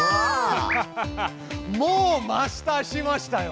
ハハハハもうマスターしましたよ！